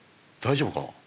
大丈夫かな。